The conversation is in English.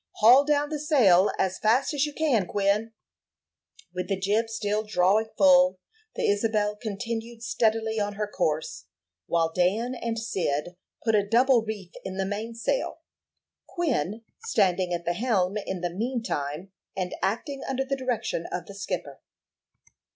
"Haul down the sail as fast as you can, Quin." With the jib still drawing full, the Isabel continued steadily on her course, while Dan and Cyd put a double reef in the mainsail, Quin standing at the helm in the mean time, and acting under the direction of the skipper.